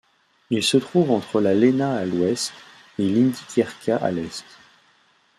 Il se trouve entre la Léna à l'ouest et l'Indigirka à l'est.